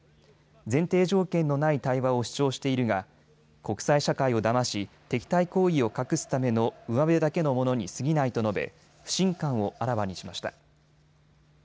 前提条件のない対話を主張しているが国際社会をだまし敵対行為を隠すためのうわべだけのものにすぎないと述べ、不信感をあらわにしました。